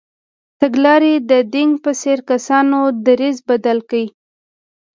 تګلارې د دینګ په څېر کسانو دریځ بدل کړ.